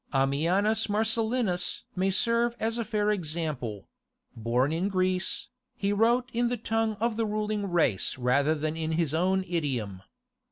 Ammianus Marcellinus may serve as a fair example: born in Greece, he wrote in the tongue of the ruling race rather than in his own idiom.